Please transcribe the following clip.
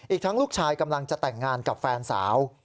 อีกทั้งลูกชายกำลังจะแต่งงานกับแฟนสาว